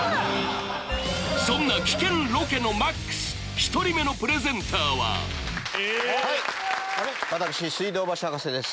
そんな危険ロケのＭＡＸ１人目のプレゼンターははい私水道橋博士です。